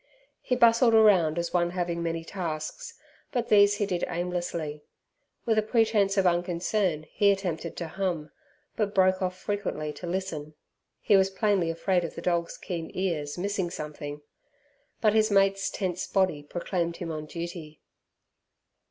He bustled around as one having many tasks, but these he did aimlessly. With a pretence of unconcern he attempted to hum, but broke off frequently to listen. He was plainly afraid of the dog's keen ears missing something. But his mate's tense body proclaimed him on duty.